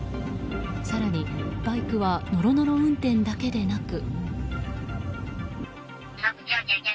更に、バイクはノロノロ運転だけでなく。